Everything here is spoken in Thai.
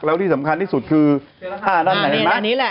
แล้วที่สำคัญที่สุดคืออ่านั่นแหละเห็นไหมอันนี้แหละ